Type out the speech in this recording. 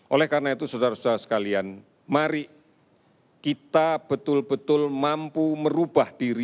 oleh karena itu saudara saudara sekalian mari kita betul betul mampu merubah diri